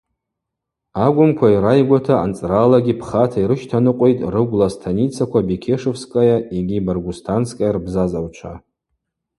Агвымква йрайгвата анцӏралагьи пхата йрыщтаныкъвитӏ рыгвла станицаква Бекешевская йгьи Боргустанская рбзазагӏвчва.